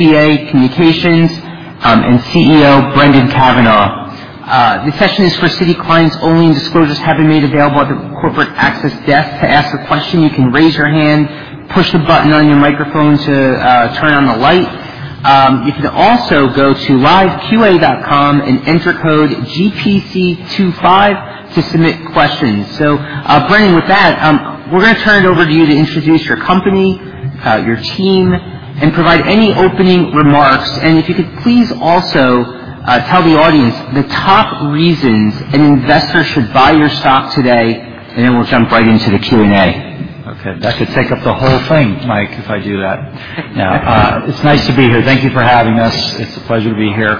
SBA Communications CEO Brendan Cavanagh. This session is for Citi clients only, and disclosures have been made available at the corporate access desk. To ask a question, you can raise your hand, push the button on your microphone to turn on the light. You can also go to live.qa.com and enter code GPC25 to submit questions. Brendan, with that, we're going to turn it over to you to introduce your company, your team, and provide any opening remarks. If you could please also tell the audience the top reasons an investor should buy your stock today, then we'll jump right into the Q&A. Okay. That could take up the whole thing, Mike, if I do that. It's nice to be here. Thank you for having us. It's a pleasure to be here.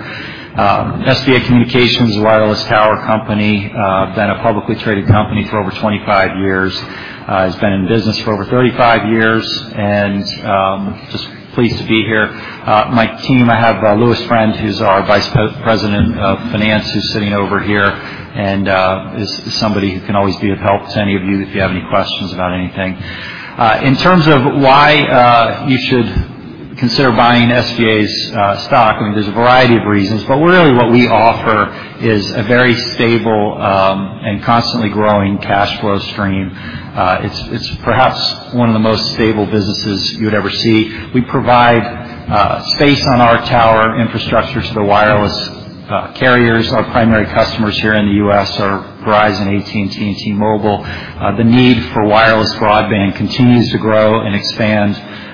SBA Communications, wireless tower company, been a publicly traded company for over 25 years. Has been in business for over 35 years, and just pleased to be here. My team, I have Louis Friend, who's our Vice President of Finance, who's sitting over here, and is somebody who can always be of help to any of you if you have any questions about anything. In terms of why you should consider buying SBA's stock, I mean, there's a variety of reasons, but really what we offer is a very stable and constantly growing cash flow stream. It's perhaps one of the most stable businesses you would ever see. We provide space on our tower infrastructure to the wireless carriers. Our primary customers here in the U.S. are Verizon, AT&T, and T-Mobile. The need for wireless broadband continues to grow and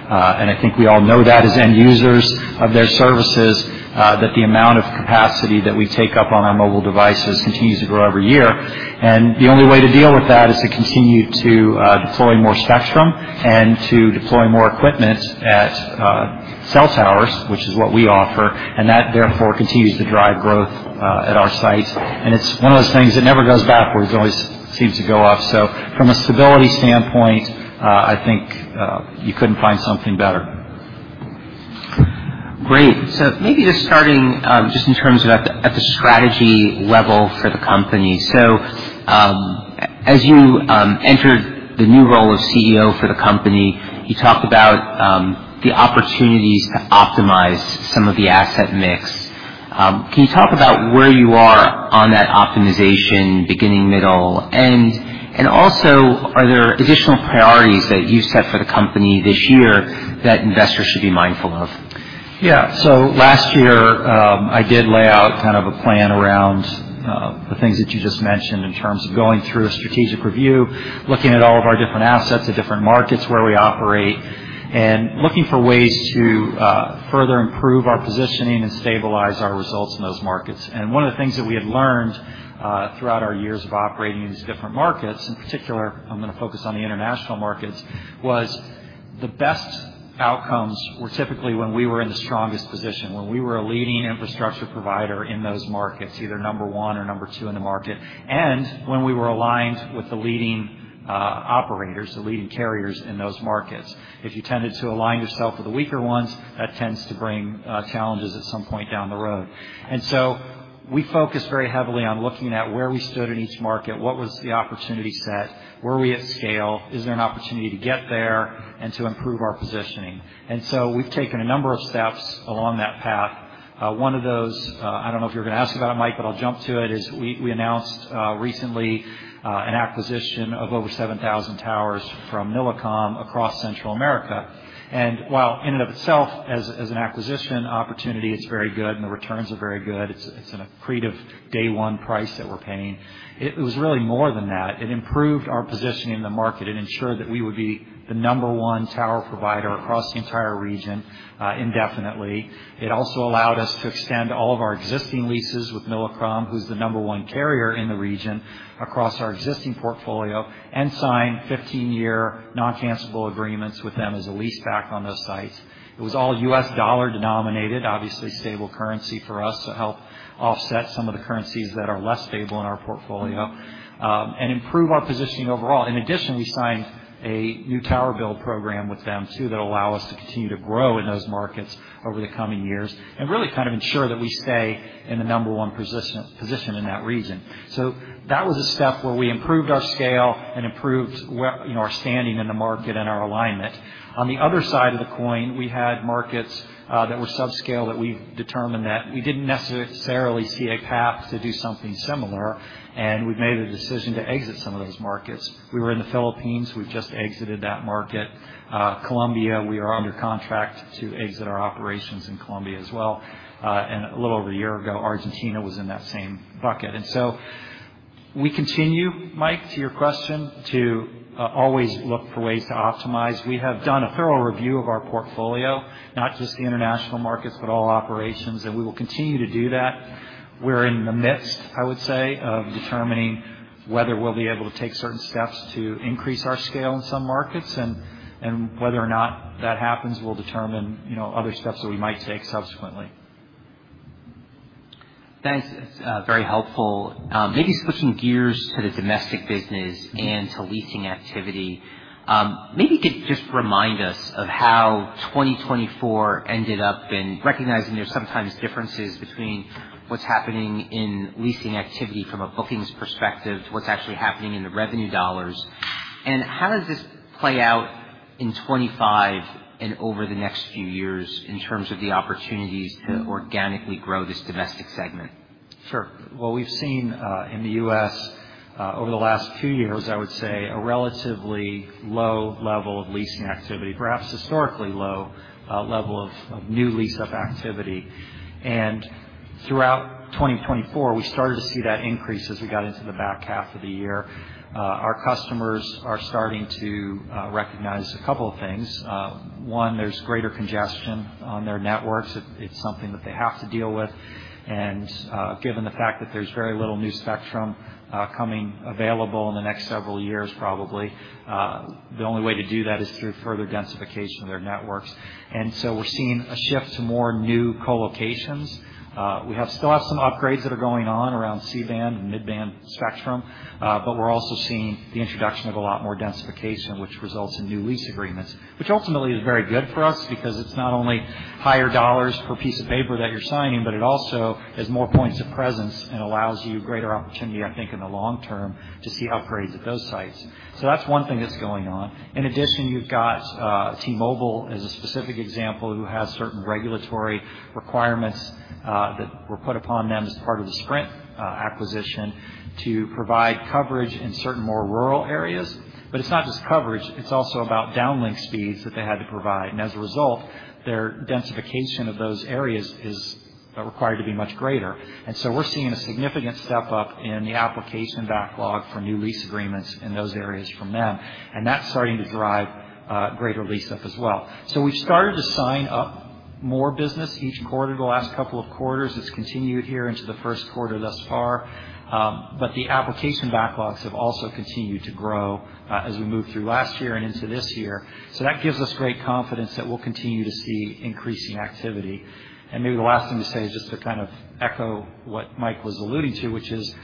expand, and I think we all know that as end users of their services, that the amount of capacity that we take up on our mobile devices continues to grow every year, and the only way to deal with that is to continue to deploy more spectrum and to deploy more equipment at cell towers, which is what we offer, and that therefore continues to drive growth at our sites. And it's one of those things that never goes backwards. It always seems to go up, so from a stability standpoint, I think you couldn't find something better. Great. So maybe just starting in terms of at the strategy level for the company. So as you entered the new role of CEO for the company, you talked about the opportunities to optimize some of the asset mix. Can you talk about where you are on that optimization, beginning, middle, end? And also, are there additional priorities that you've set for the company this year that investors should be mindful of? Yeah. So last year, I did lay out kind of a plan around the things that you just mentioned in terms of going through a strategic review, looking at all of our different assets at different markets where we operate, and looking for ways to further improve our positioning and stabilize our results in those markets. And one of the things that we had learned throughout our years of operating in these different markets, in particular, I'm going to focus on the international markets, was the best outcomes were typically when we were in the strongest position, when we were a leading infrastructure provider in those markets, either number one or number two in the market, and when we were aligned with the leading operators, the leading carriers in those markets. If you tended to align yourself with the weaker ones, that tends to bring challenges at some point down the road. We focus very heavily on looking at where we stood in each market, what was the opportunity set, were we at scale, is there an opportunity to get there and to improve our positioning. We've taken a number of steps along that path. One of those, I don't know if you're going to ask about it, Mike, but I'll jump to it, is we announced recently an acquisition of over 7,000 towers from Millicom across Central America. While in and of itself as an acquisition opportunity, it's very good and the returns are very good. It's an accretive day-one price that we're paying. It was really more than that. It improved our positioning in the market. It ensured that we would be the number one tower provider across the entire region indefinitely. It also allowed us to extend all of our existing leases with Millicom, who's the number one carrier in the region, across our existing portfolio, and sign 15-year non-cancelable agreements with them as a leaseback on those sites. It was all US dollar-denominated, obviously stable currency for us to help offset some of the currencies that are less stable in our portfolio and improve our positioning overall. In addition, we signed a new tower build program with them too that will allow us to continue to grow in those markets over the coming years and really kind of ensure that we stay in the number one position in that region, so that was a step where we improved our scale and improved our standing in the market and our alignment. On the other side of the coin, we had markets that were subscale that we determined that we didn't necessarily see a path to do something similar, and we've made the decision to exit some of those markets. We were in the Philippines. We've just exited that market. Colombia, we are under contract to exit our operations in Colombia as well. And a little over a year ago, Argentina was in that same bucket. And so we continue, Mike, to your question, to always look for ways to optimize. We have done a thorough review of our portfolio, not just the international markets, but all operations, and we will continue to do that. We're in the midst, I would say, of determining whether we'll be able to take certain steps to increase our scale in some markets, and whether or not that happens will determine other steps that we might take subsequently. Thanks. That's very helpful. Maybe switching gears to the domestic business and to leasing activity, maybe you could just remind us of how 2024 ended up in recognizing there's sometimes differences between what's happening in leasing activity from a bookings perspective to what's actually happening in the revenue dollars? How does this play out in 2025 and over the next few years in terms of the opportunities to organically grow this domestic segment? Sure. Well, we've seen in the U.S. over the last few years, I would say, a relatively low level of leasing activity, perhaps historically low level of new lease-up activity. And throughout 2024, we started to see that increase as we got into the back half of the year. Our customers are starting to recognize a couple of things. One, there's greater congestion on their networks. It's something that they have to deal with. And given the fact that there's very little new spectrum coming available in the next several years, probably the only way to do that is through further densification of their networks. And so we're seeing a shift to more new colocations. We still have some upgrades that are going on around C-band and mid-band spectrum, but we're also seeing the introduction of a lot more densification, which results in new lease agreements, which ultimately is very good for us because it's not only higher dollars per piece of paper that you're signing, but it also is more points of presence and allows you greater opportunity, I think, in the long term to see upgrades at those sites. So that's one thing that's going on. In addition, you've got T-Mobile as a specific example who has certain regulatory requirements that were put upon them as part of the Sprint acquisition to provide coverage in certain more rural areas. But it's not just coverage. It's also about downlink speeds that they had to provide. And as a result, their densification of those areas is required to be much greater. And so we're seeing a significant step up in the application backlog for new lease agreements in those areas from them. And that's starting to drive greater lease-up as well. So we've started to sign up more business each quarter. The last couple of quarters, it's continued here into the first quarter thus far. But the application backlogs have also continued to grow as we moved through last year and into this year. So that gives us great confidence that we'll continue to see increasing activity. And maybe the last thing to say is just to kind of echo what Mike was alluding to, which is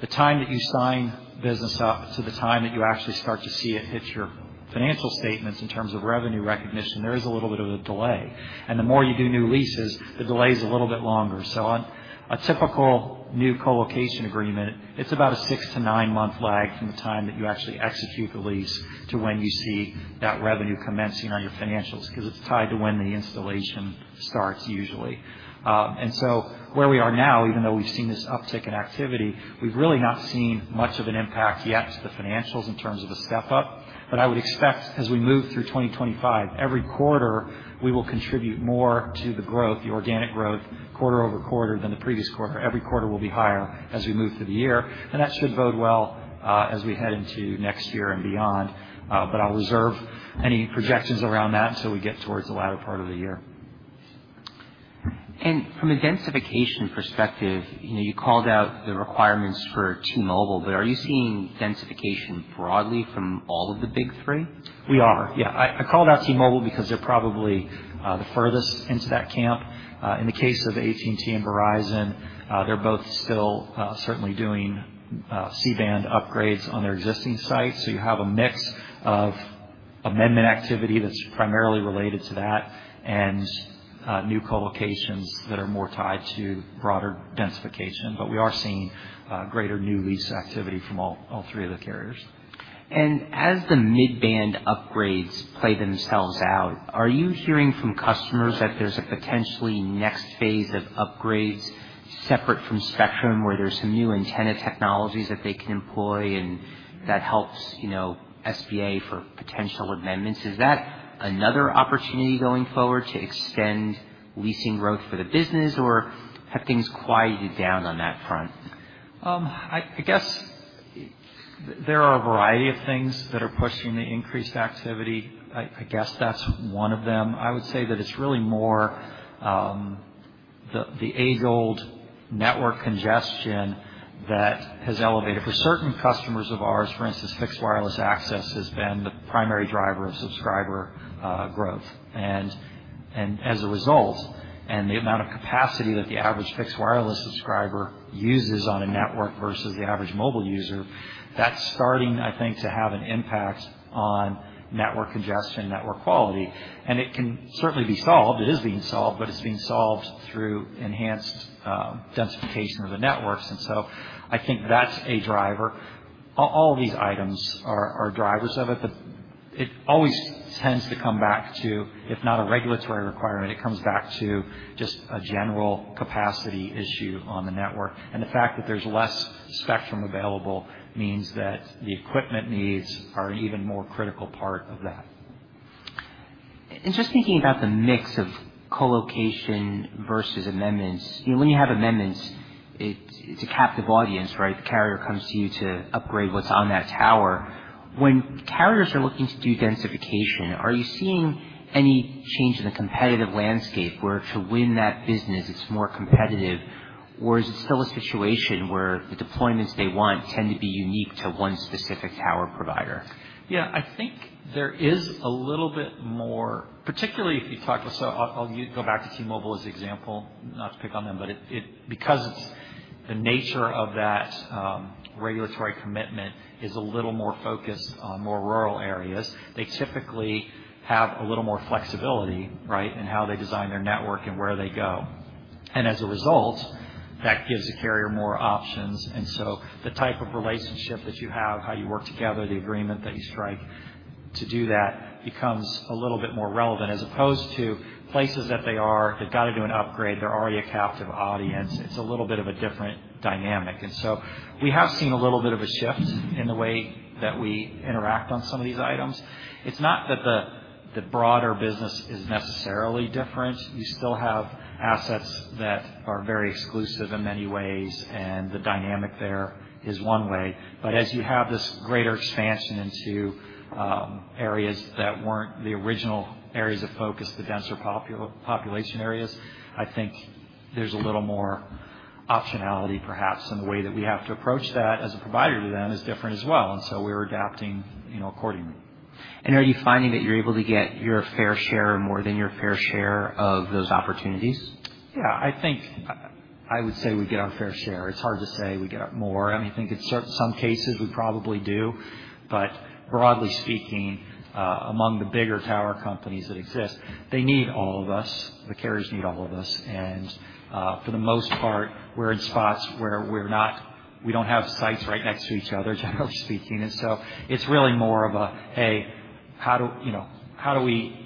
the time that you sign business up to the time that you actually start to see it hit your financial statements in terms of revenue recognition, there is a little bit of a delay. The more you do new leases, the delay is a little bit longer. So on a typical new colocation agreement, it's about a six- to nine-month lag from the time that you actually execute the lease to when you see that revenue commencing on your financials because it's tied to when the installation starts usually. And so where we are now, even though we've seen this uptick in activity, we've really not seen much of an impact yet to the financials in terms of a step up. But I would expect as we move through 2025, every quarter we will contribute more to the growth, the organic growth, quarter-over-quarter than the previous quarter. Every quarter will be higher as we move through the year. And that should bode well as we head into next year and beyond. But I'll reserve any projections around that until we get towards the latter part of the year. And from a densification perspective, you called out the requirements for T-Mobile, but are you seeing densification broadly from all of the big three? We are. Yeah. I called out T-Mobile because they're probably the furthest into that camp. In the case of AT&T and Verizon, they're both still certainly doing C-band upgrades on their existing sites. So you have a mix of amendment activity that's primarily related to that and new colocations that are more tied to broader densification. But we are seeing greater new lease activity from all three of the carriers. As the mid-band upgrades play themselves out, are you hearing from customers that there's a potentially next phase of upgrades separate from spectrum where there's some new antenna technologies that they can employ and that helps SBA for potential amendments? Is that another opportunity going forward to extend leasing growth for the business or have things quieted down on that front? I guess there are a variety of things that are pushing the increased activity. I guess that's one of them. I would say that it's really more the a gold network congestion that has elevated. For certain customers of ours, for instance, fixed wireless access has been the primary driver of subscriber growth and as a result, and the amount of capacity that the average fixed wireless subscriber uses on a network versus the average mobile user, that's starting, I think, to have an impact on network congestion, network quality and it can certainly be solved. It is being solved, but it's being solved through enhanced densification of the networks and so I think that's a driver. All of these items are drivers of it, but it always tends to come back to, if not a regulatory requirement, it comes back to just a general capacity issue on the network. The fact that there's less spectrum available means that the equipment needs are an even more critical part of that. Just thinking about the mix of colocation versus amendments, when you have amendments, it's a captive audience, right? The carrier comes to you to upgrade what's on that tower. When carriers are looking to do densification, are you seeing any change in the competitive landscape where to win that business, it's more competitive, or is it still a situation where the deployments they want tend to be unique to one specific tower provider? Yeah. I think there is a little bit more, particularly if you talk to so I'll go back to T-Mobile as an example, not to pick on them, but because the nature of that regulatory commitment is a little more focused on more rural areas, they typically have a little more flexibility, right, in how they design their network and where they go. And as a result, that gives a carrier more options. And so the type of relationship that you have, how you work together, the agreement that you strike to do that becomes a little bit more relevant as opposed to places that they are, they've got to do an upgrade, they're already a captive audience. It's a little bit of a different dynamic. And so we have seen a little bit of a shift in the way that we interact on some of these items. It's not that the broader business is necessarily different. You still have assets that are very exclusive in many ways, and the dynamic there is one way. But as you have this greater expansion into areas that weren't the original areas of focus, the denser population areas, I think there's a little more optionality, perhaps, in the way that we have to approach that as a provider to them is different as well. And so we're adapting accordingly. Are you finding that you're able to get your fair share or more than your fair share of those opportunities? Yeah. I think I would say we get our fair share. It's hard to say we get more. I mean, I think in some cases we probably do. But broadly speaking, among the bigger tower companies that exist, they need all of us. The carriers need all of us. And for the most part, we're in spots where we don't have sites right next to each other, generally speaking. And so it's really more of a, "Hey, how do we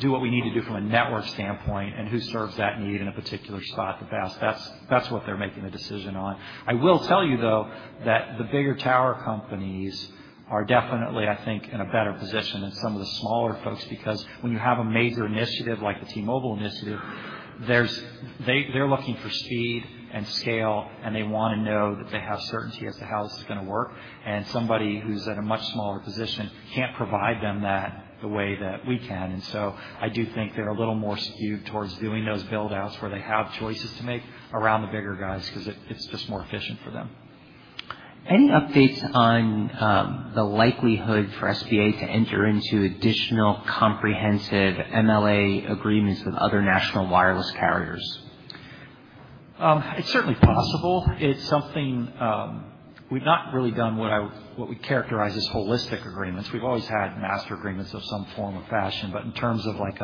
do what we need to do from a network standpoint and who serves that need in a particular spot the best?" That's what they're making a decision on. I will tell you, though, that the bigger tower companies are definitely, I think, in a better position than some of the smaller folks because when you have a major initiative like the T-Mobile initiative, they're looking for speed and scale, and they want to know that they have certainty as to how this is going to work. And somebody who's in a much smaller position can't provide them that the way that we can. And so I do think they're a little more skewed towards doing those build-outs where they have choices to make around the bigger guys because it's just more efficient for them. Any updates on the likelihood for SBA to enter into additional comprehensive MLA agreements with other national wireless carriers? It's certainly possible. It's something we've not really done what we characterize as holistic agreements. We've always had master agreements of some form or fashion, but in terms of like,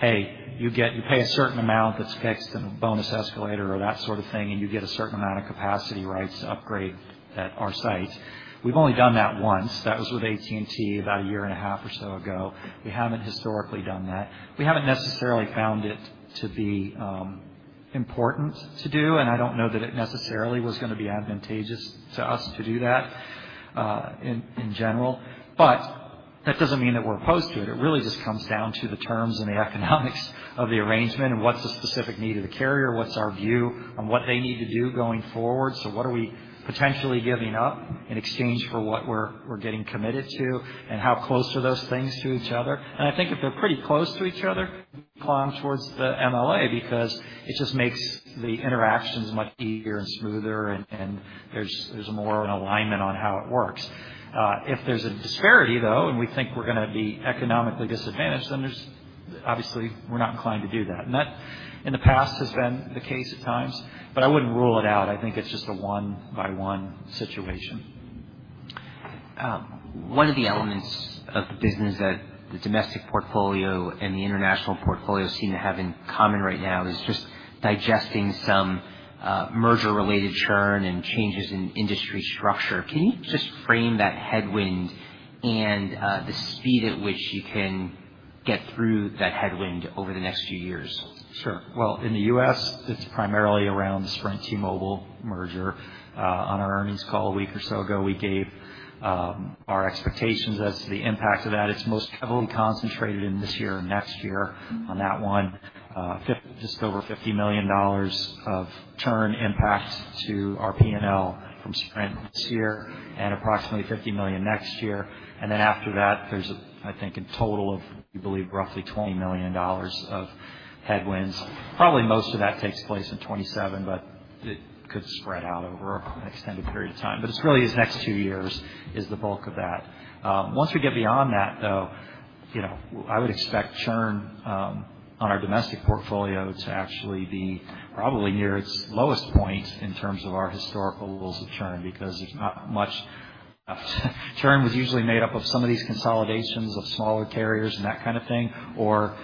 "Hey, you pay a certain amount that's fixed in a bonus escalator or that sort of thing, and you get a certain amount of capacity rights to upgrade at our sites." We've only done that once. That was with AT&T about a year and a half or so ago. We haven't historically done that. We haven't necessarily found it to be important to do, and I don't know that it necessarily was going to be advantageous to us to do that in general. But that doesn't mean that we're opposed to it. It really just comes down to the terms and the economics of the arrangement and what's the specific need of the carrier, what's our view on what they need to do going forward. So what are we potentially giving up in exchange for what we're getting committed to, and how close are those things to each other? And I think if they're pretty close to each other, we'll be inclined towards the MLA because it just makes the interactions much easier and smoother, and there's more of an alignment on how it works. If there's a disparity, though, and we think we're going to be economically disadvantaged, then obviously we're not inclined to do that. And that, in the past, has been the case at times, but I wouldn't rule it out. I think it's just a one-by-one situation. One of the elements of the business that the domestic portfolio and the international portfolio seem to have in common right now is just digesting some merger-related churn and changes in industry structure. Can you just frame that headwind and the speed at which you can get through that headwind over the next few years? Sure. Well, in the U.S., it's primarily around the Sprint T-Mobile merger. On our earnings call a week or so ago, we gave our expectations as to the impact of that. It's most heavily concentrated in this year and next year on that one. Just over $50 million of churn impact to our P&L from Sprint this year and approximately $50 million next year. And then after that, there's, I think, a total of, we believe, roughly $20 million of headwinds. Probably most of that takes place in 2027, but it could spread out over an extended period of time. But it's really these next two years is the bulk of that. Once we get beyond that, though, I would expect churn on our domestic portfolio to actually be probably near its lowest point in terms of our historical rules of churn because there's not much left. Churn was usually made up of some of these consolidations of smaller carriers and that kind of thing or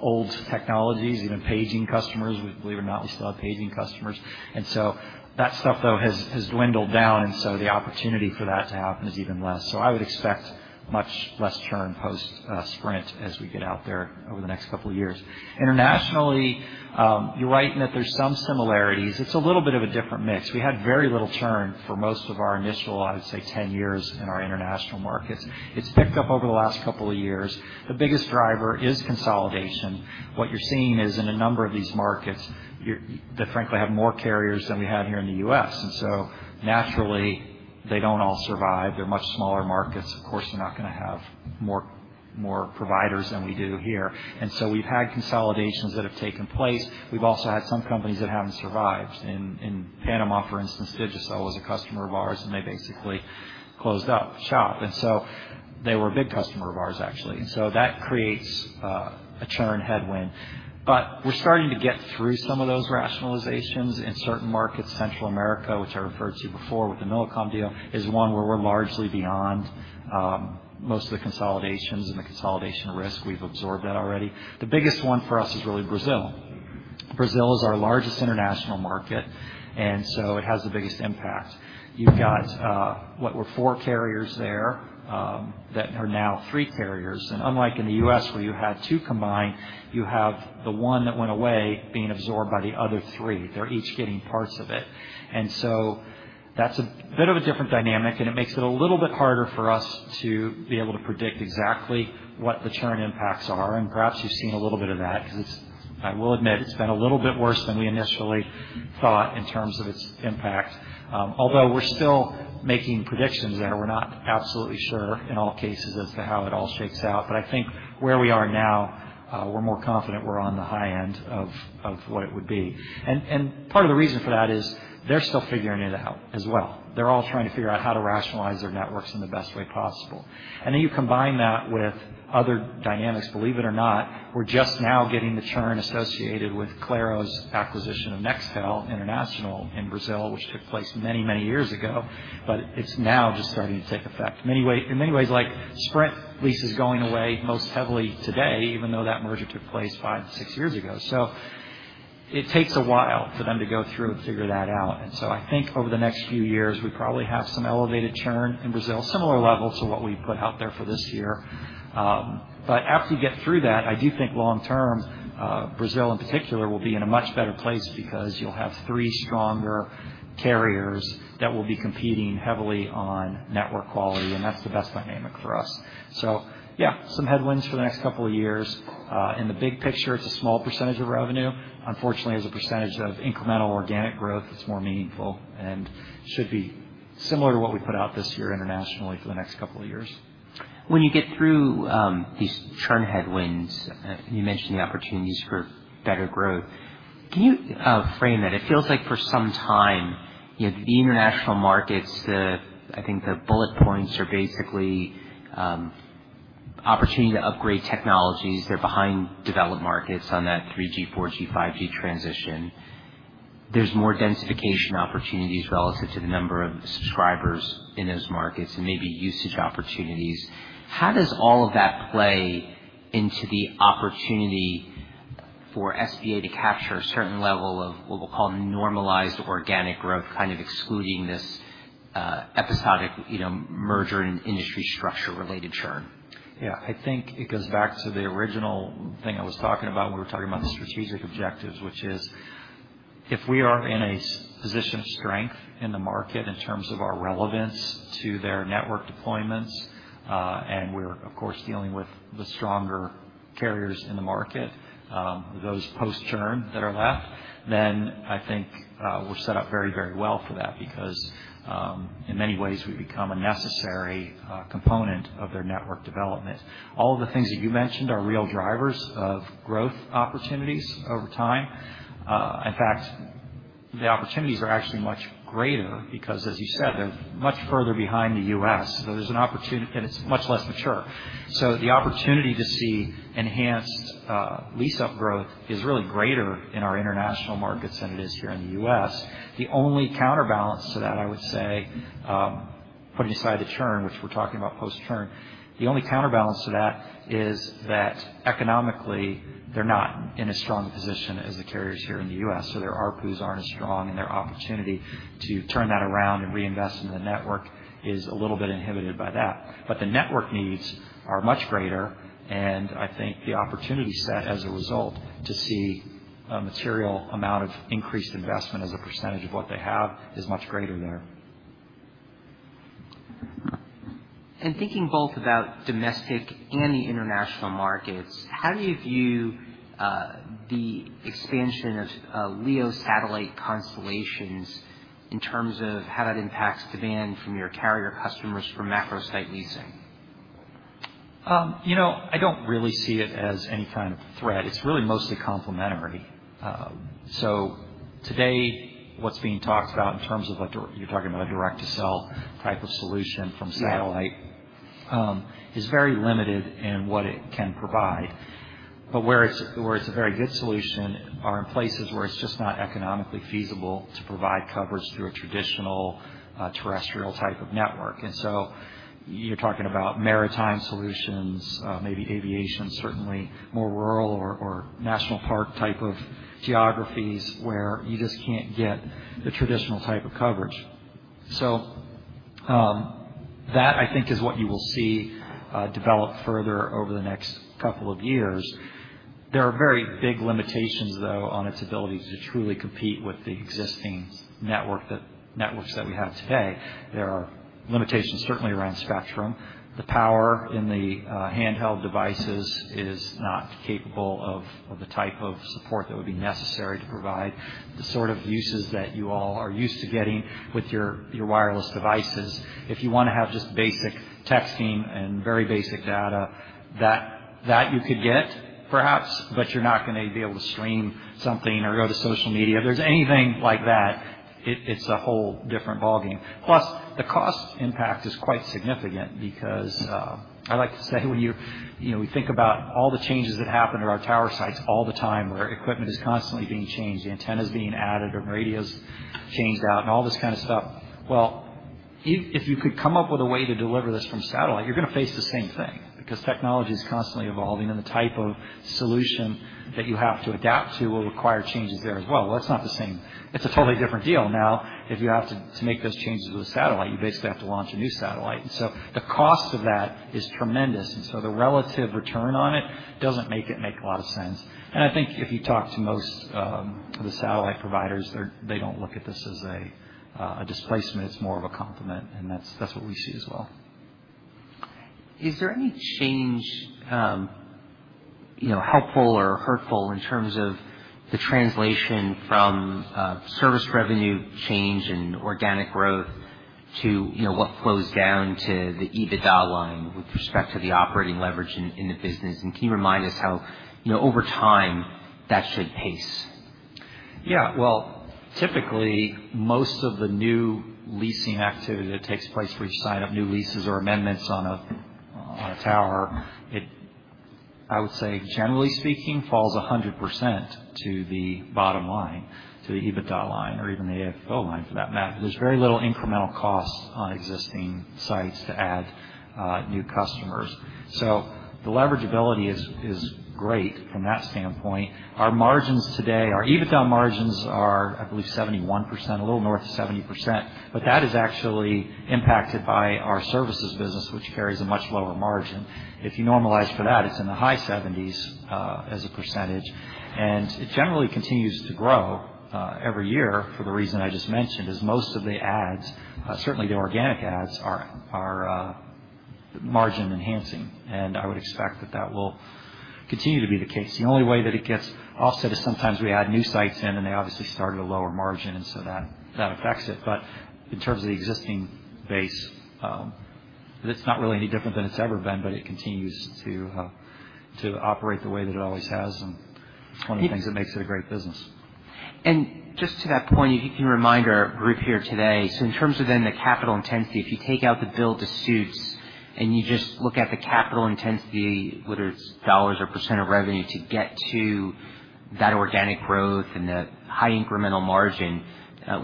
old technologies, even paging customers. Believe it or not, we still have paging customers, and so that stuff, though, has dwindled down, and so the opportunity for that to happen is even less, so I would expect much less churn post-Sprint as we get out there over the next couple of years. Internationally, you're right in that there's some similarities. It's a little bit of a different mix. We had very little churn for most of our initial, I would say, 10 years in our international markets. It's picked up over the last couple of years. The biggest driver is consolidation. What you're seeing is, in a number of these markets, they frankly have more carriers than we had here in the U.S. And so naturally, they don't all survive. They're much smaller markets. Of course, they're not going to have more providers than we do here. And so we've had consolidations that have taken place. We've also had some companies that haven't survived. In Panama, for instance, Digicel was a customer of ours, and they basically closed up shop. And so that creates a churn headwind. But we're starting to get through some of those rationalizations in certain markets. Central America, which I referred to before with the Millicom deal, is one where we're largely beyond most of the consolidations and the consolidation risk. We've absorbed that already. The biggest one for us is really Brazil. Brazil is our largest international market, and so it has the biggest impact. You've got what were four carriers there that are now three carriers. And unlike in the U.S., where you had two combined, you have the one that went away being absorbed by the other three. They're each getting parts of it. And so that's a bit of a different dynamic, and it makes it a little bit harder for us to be able to predict exactly what the churn impacts are. And perhaps you've seen a little bit of that because I will admit it's been a little bit worse than we initially thought in terms of its impact. Although we're still making predictions there, we're not absolutely sure in all cases as to how it all shakes out. But I think where we are now, we're more confident we're on the high end of what it would be. And part of the reason for that is they're still figuring it out as well. They're all trying to figure out how to rationalize their networks in the best way possible. Then you combine that with other dynamics. Believe it or not, we're just now getting the churn associated with Claro's acquisition of Nextel International in Brazil, which took place many, many years ago, but it's now just starting to take effect. In many ways, Sprint lease is going away most heavily today, even though that merger took place five to six years ago. It takes a while for them to go through and figure that out. I think over the next few years, we probably have some elevated churn in Brazil, similar level to what we put out there for this year. But after you get through that, I do think long-term, Brazil in particular, will be in a much better place because you'll have three stronger carriers that will be competing heavily on network quality, and that's the best dynamic for us. So yeah, some headwinds for the next couple of years. In the big picture, it's a small percentage of revenue. Unfortunately, as a percentage of incremental organic growth, it's more meaningful and should be similar to what we put out this year internationally for the next couple of years. When you get through these churn headwinds, you mentioned the opportunities for better growth. Can you frame that? It feels like for some time, the international markets, I think the bullet points are basically opportunity to upgrade technologies. They're behind developed markets on that 3G, 4G, 5G transition. There's more densification opportunities relative to the number of subscribers in those markets and maybe usage opportunities. How does all of that play into the opportunity for SBA to capture a certain level of what we'll call normalized organic growth, kind of excluding this episodic merger and industry structure-related churn? Yeah. I think it goes back to the original thing I was talking about when we were talking about the strategic objectives, which is if we are in a position of strength in the market in terms of our relevance to their network deployments, and we're, of course, dealing with the stronger carriers in the market, those post-churn that are left, then I think we're set up very, very well for that because in many ways, we become a necessary component of their network development. All of the things that you mentioned are real drivers of growth opportunities over time. In fact, the opportunities are actually much greater because, as you said, they're much further behind the US. So there's an opportunity, and it's much less mature. So the opportunity to see enhanced lease-up growth is really greater in our international markets than it is here in the US. The only counterbalance to that, I would say, putting aside the churn, which we're talking about post-churn, the only counterbalance to that is that economically, they're not in as strong a position as the carriers here in the U.S. So their ARPUs aren't as strong, and their opportunity to turn that around and reinvest into the network is a little bit inhibited by that. But the network needs are much greater, and I think the opportunity set as a result to see a material amount of increased investment as a percentage of what they have is much greater there. Thinking both about domestic and the international markets, how do you view the expansion of LEO satellite constellations in terms of how that impacts demand from your carrier customers for macro-site leasing? I don't really see it as any kind of threat. It's really mostly complementary, so today, what's being talked about in terms of you're talking about a direct-to-cell type of solution from satellite is very limited in what it can provide, but where it's a very good solution are in places where it's just not economically feasible to provide coverage through a traditional terrestrial type of network, and so you're talking about maritime solutions, maybe aviation, certainly more rural or national park type of geographies where you just can't get the traditional type of coverage, so that, I think, is what you will see develop further over the next couple of years. There are very big limitations, though, on its ability to truly compete with the existing networks that we have today. There are limitations certainly around spectrum. The power in the handheld devices is not capable of the type of support that would be necessary to provide the sort of uses that you all are used to getting with your wireless devices. If you want to have just basic texting and very basic data, that you could get, perhaps, but you're not going to be able to stream something or go to social media. If there's anything like that, it's a whole different ballgame. Plus, the cost impact is quite significant because I like to say when you think about all the changes that happen to our tower sites all the time where equipment is constantly being changed, the antennas being added and radios changed out, and all this kind of stuff. If you could come up with a way to deliver this from satellite, you're going to face the same thing because technology is constantly evolving, and the type of solution that you have to adapt to will require changes there as well. It's not the same. It's a totally different deal now. If you have to make those changes with a satellite, you basically have to launch a new satellite. The cost of that is tremendous. The relative return on it doesn't make it make a lot of sense. I think if you talk to most of the satellite providers, they don't look at this as a displacement. It's more of a complement, and that's what we see as well. Is there any change helpful or hurtful in terms of the translation from service revenue change and organic growth to what flows down to the EBITDA line with respect to the operating leverage in the business? And can you remind us how, over time, that should pace? Yeah. Well, typically, most of the new leasing activity that takes place where you sign up new leases or amendments on a tower, I would say, generally speaking, falls 100% to the bottom line, to the EBITDA line or even the AFO line for that matter. There's very little incremental cost on existing sites to add new customers. So the leverageability is great from that standpoint. Our margins today, our EBITDA margins are, I believe, 71%, a little north of 70%, but that is actually impacted by our services business, which carries a much lower margin. If you normalize for that, it's in the high 70s%. And it generally continues to grow every year for the reason I just mentioned, as most of the adds, certainly the organic adds, are margin-enhancing. And I would expect that that will continue to be the case. The only way that it gets offset is sometimes we add new sites in, and they obviously start at a lower margin, and so that affects it, but in terms of the existing base, it's not really any different than it's ever been, but it continues to operate the way that it always has, and it's one of the things that makes it a great business. And just to that point, if you can remind our group here today, so in terms of then the capital intensity, if you take out the build-to-suits and you just look at the capital intensity, whether it's dollars or % of revenue, to get to that organic growth and that high incremental margin,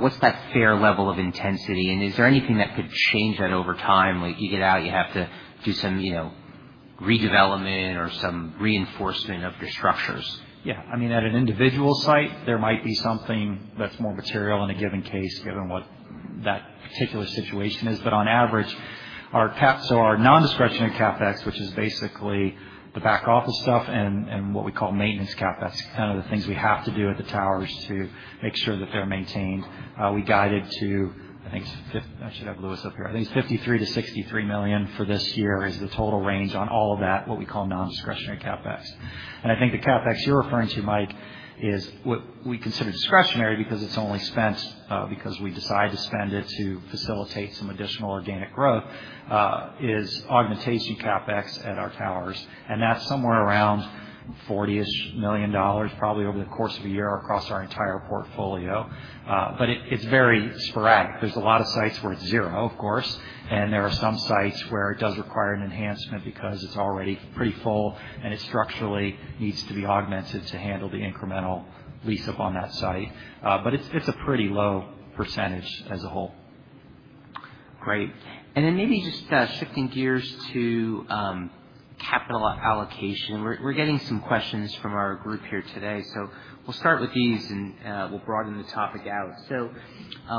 what's that fair level of intensity? And is there anything that could change that over time? You get out, you have to do some redevelopment or some reinforcement of your structures? Yeah. I mean, at an individual site, there might be something that's more material in a given case, given what that particular situation is. But on average, our non-discretionary CapEx, which is basically the back office stuff and what we call maintenance CapEx, kind of the things we have to do at the towers to make sure that they're maintained, we guide it to, I think it's. I should have Louis up here. I think it's $53 million to $63 million for this year is the total range on all of that, what we call non-discretionary CapEx. And I think the CapEx you're referring to, Mike, is what we consider discretionary because it's only spent because we decide to spend it to facilitate some additional organic growth, is augmentation CapEx at our towers. And that's somewhere around $40-ish million, probably over the course of a year across our entire portfolio. but it's very sporadic. There's a lot of sites where it's zero, of course, and there are some sites where it does require an enhancement because it's already pretty full and it structurally needs to be augmented to handle the incremental lease-up on that site. but it's a pretty low percentage as a whole. Great. And then maybe just shifting gears to capital allocation. We're getting some questions from our group here today. So we'll start with these and we'll broaden the topic out. So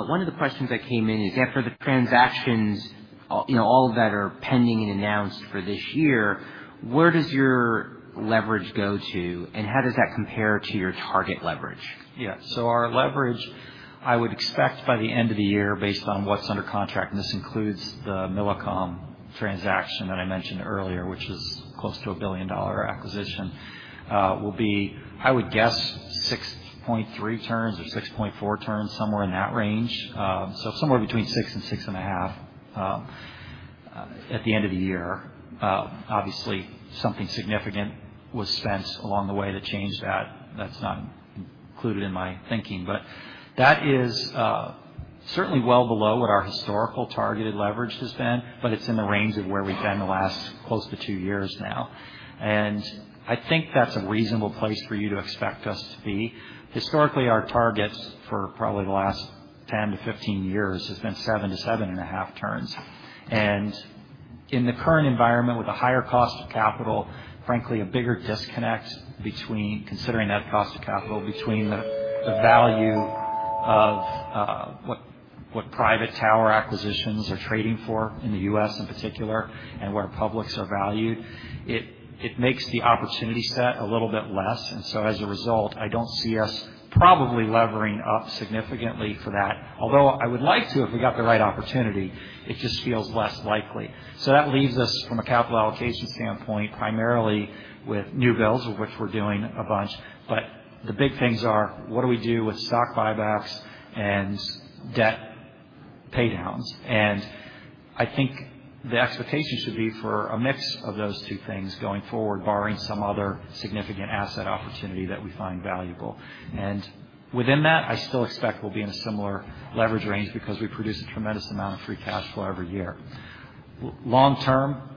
one of the questions that came in is after the transactions, all of that are pending and announced for this year, where does your leverage go to, and how does that compare to your target leverage? Yeah. So our leverage, I would expect by the end of the year, based on what's under contract, and this includes the Millicom transaction that I mentioned earlier, which is close to a $1 billion acquisition, will be, I would guess, 6.3 turns or 6.4 turns, somewhere in that range. So somewhere between 6 and 6 and a half at the end of the year. Obviously, something significant was spent along the way that changed that. That's not included in my thinking. But that is certainly well below what our historical targeted leverage has been, but it's in the range of where we've been the last close to two years now. And I think that's a reasonable place for you to expect us to be. Historically, our targets for probably the last 10 to 15 years has been 7 to 7 and a half turns. And in the current environment, with a higher cost of capital, frankly, a bigger disconnect considering that cost of capital between the value of what private tower acquisitions are trading for in the U.S. in particular and where publics are valued, it makes the opportunity set a little bit less. And so as a result, I don't see us probably levering up significantly for that. Although I would like to, if we got the right opportunity, it just feels less likely. So that leaves us, from a capital allocation standpoint, primarily with new builds, which we're doing a bunch. But the big things are, what do we do with stock buybacks and debt paydowns? And I think the expectation should be for a mix of those two things going forward, barring some other significant asset opportunity that we find valuable. And within that, I still expect we'll be in a similar leverage range because we produce a tremendous amount of free cash flow every year. Long term,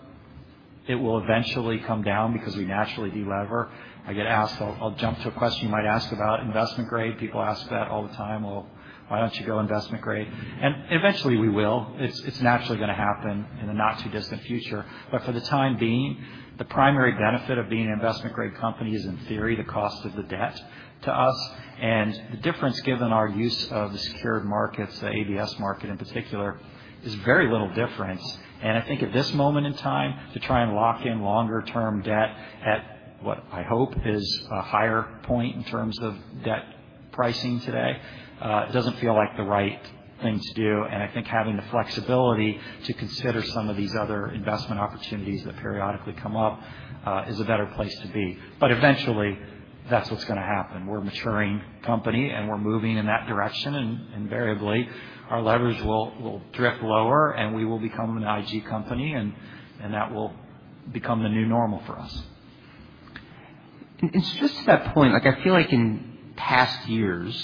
it will eventually come down because we naturally delever. I get asked. I'll jump to a question you might ask about investment grade. People ask that all the time. Well, why don't you go investment grade? And eventually, we will. It's naturally going to happen in the not-too-distant future. But for the time being, the primary benefit of being an investment-grade company is, in theory, the cost of the debt to us. And the difference, given our use of the secured markets, the ABS market in particular, is very little difference. I think at this moment in time, to try and lock in longer-term debt at what I hope is a higher point in terms of debt pricing today, it doesn't feel like the right thing to do. I think having the flexibility to consider some of these other investment opportunities that periodically come up is a better place to be. Eventually, that's what's going to happen. We're a maturing company, and we're moving in that direction. Invariably, our leverage will drift lower, and we will become an IG company, and that will become the new normal for us. And just to that point, I feel like in past years,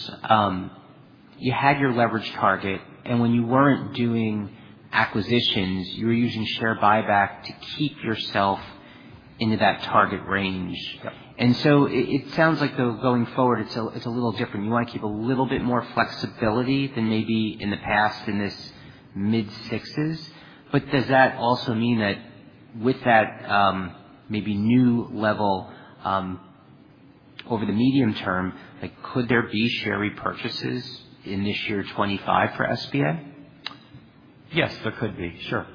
you had your leverage target, and when you weren't doing acquisitions, you were using share buyback to keep yourself into that target range. And so it sounds like, though, going forward, it's a little different. You want to keep a little bit more flexibility than maybe in the past in this mid-sixes. But does that also mean that with that maybe new level over the medium term, could there be share repurchases in this year 2025 for SBA? Yes, there could be. Sure.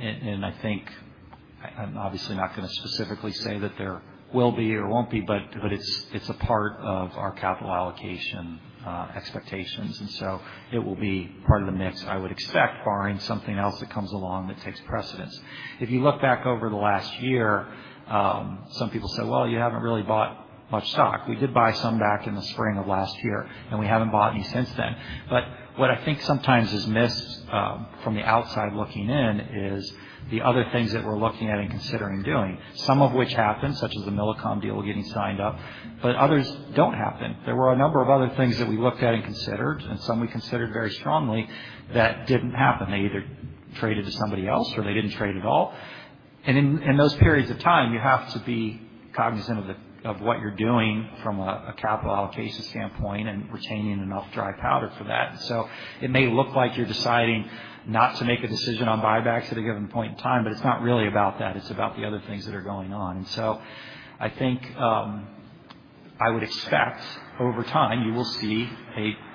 And I think I'm obviously not going to specifically say that there will be or won't be, but it's a part of our capital allocation expectations. And so it will be part of the mix, I would expect, barring something else that comes along that takes precedence. If you look back over the last year, some people say, "Well, you haven't really bought much stock." We did buy some back in the spring of last year, and we haven't bought any since then. But what I think sometimes is missed from the outside looking in is the other things that we're looking at and considering doing, some of which happen, such as the Millicom deal getting signed up, but others don't happen. There were a number of other things that we looked at and considered, and some we considered very strongly that didn't happen. They either traded to somebody else or they didn't trade at all. And in those periods of time, you have to be cognizant of what you're doing from a capital allocation standpoint and retaining enough dry powder for that. And so it may look like you're deciding not to make a decision on buybacks at a given point in time, but it's not really about that. It's about the other things that are going on. And so I think I would expect over time, you will see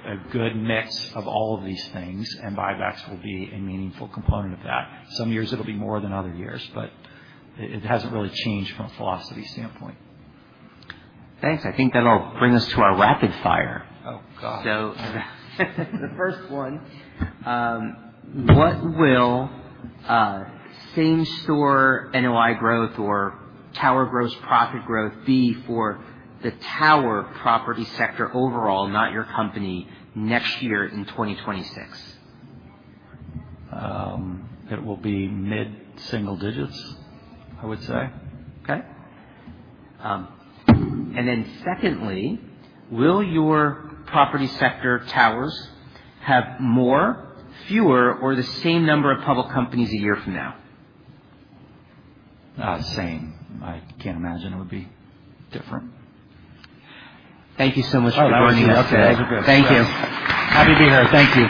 a good mix of all of these things, and buybacks will be a meaningful component of that. Some years, it'll be more than other years, but it hasn't really changed from a philosophy standpoint. Thanks. I think that'll bring us to our rapid fire. Oh, God. So the first one, what will same-store NOI growth or tower gross profit growth be for the tower property sector overall, not your company, next year in 2026? It will be mid-single digits, I would say. Okay. And then secondly, will your property sector towers have more, fewer, or the same number of public companies a year from now? Same. I can't imagine it would be different. Thank you so much for joining us today. Oh, that was good. Thank you. Happy to be here. Thank you.